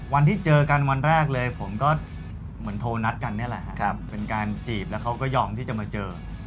วันที่เจอกันวันแรกเลยผมก็เหมือนโทรนัดกันนี่แหละครับเป็นการจีบแล้วเขาก็ยอมที่จะมาเจอ